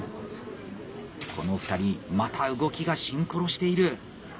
この２人また動きがシンクロしている！